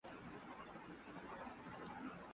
Barcelona نے Spanish La Liga football کا title جیت لیا